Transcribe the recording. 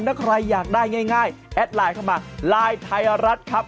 ถ้าใครอยากได้ง่ายแอดไลน์เข้ามาไลน์ไทยรัฐครับ